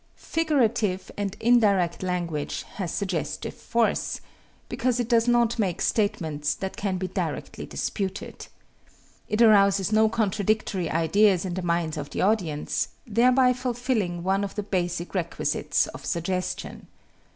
Figurative and indirect language has suggestive force, because it does not make statements that can be directly disputed. It arouses no contradictory ideas in the minds of the audience, thereby fulfilling one of the basic requisites of suggestion.